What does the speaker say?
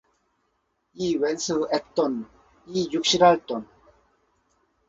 이 원수엣돈! 이 육시를 할 돈!